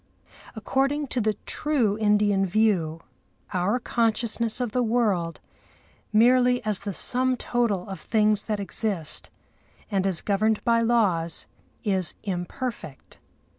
According to the true Indian view, our consciousness of the world, merely as the sum total of things that exist, and as governed by laws, is imperfect.